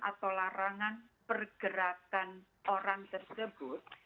atau larangan pergerakan orang tersebut